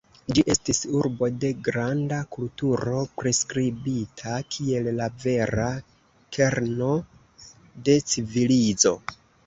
Ĝi estis urbo de granda kulturo, priskribita kiel la vera kerno de civilizo.